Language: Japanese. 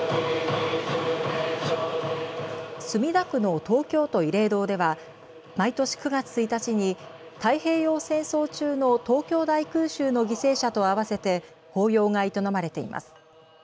墨田区の東京都慰霊堂では毎年９月１日に太平洋戦争中の東京大空襲の犠牲者とあわせて法要が営まれています。